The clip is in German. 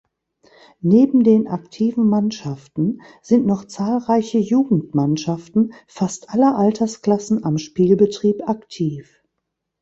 Neben den aktiven Mannschaften sind noch zahlreiche Jugendmannschaften fast aller Altersklassen am Spielbetrieb aktiv.